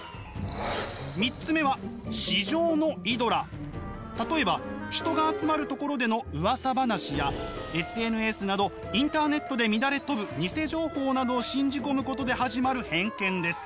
３つ目は例えば人が集まるところでのうわさ話やＳＮＳなどインターネットで乱れ飛ぶニセ情報などを信じ込むことで始まる偏見です。